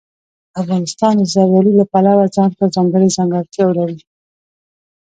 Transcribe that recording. افغانستان د زردالو له پلوه ځانته ځانګړې ځانګړتیاوې لري.